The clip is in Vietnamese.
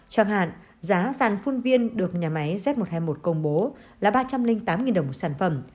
chẳng hạn giá sàn phun viên được nhà máy z một trăm hai mươi một công bố là ba trăm linh tám đồng một sản phẩm